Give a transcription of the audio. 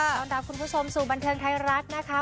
ต้อนรับคุณผู้ชมสู่บันเทิงไทยรัฐนะคะ